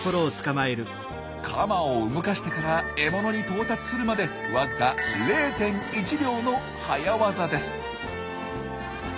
カマを動かしてから獲物に到達するまでわずか０．１秒の早業です。